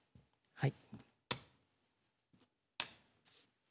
はい。